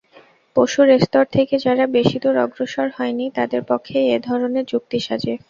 পশুর স্তর থেকে যারা বেশী দূর অগ্রসর হয়নি, তাদের পক্ষেই এ-ধরনের যুক্তি সাজে।